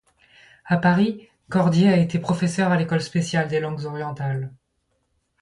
À Paris, Cordier a été professeur à l’École spéciale des langues orientales.